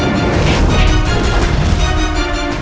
youtubers kejauhan anda